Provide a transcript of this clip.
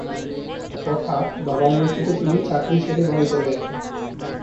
হঠাৎ বাবার মৃত্যুতে তিনি চাকরি ছেড়ে বাড়ি চলে আসেন।